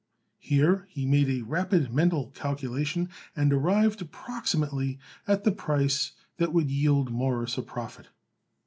Here he made a rapid mental calculation and arrived approximately at the price that would yield Morris a profit.